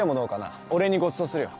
お礼にごちそうするよ